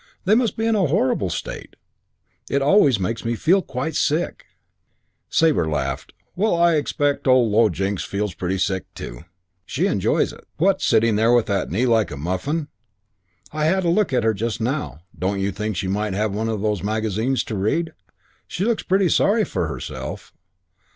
They must be in a horrible state. It always makes me feel quite sick." Sabre laughed. "Well, I expect poor old Low Jinks feels pretty sick too." "She enjoys it." "What, sitting there with a knee like a muffin? I had a look at her just now. Don't you think she might have one of those magazines to read? She looks pretty sorry for herself."